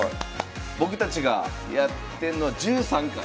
僕たちがやってんのは１３回。